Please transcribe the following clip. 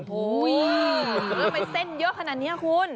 โอ้โหแล้วไปเส้นเยอะขนาดนี้คุณ